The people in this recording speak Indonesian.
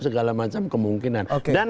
segala macam kemungkinan dan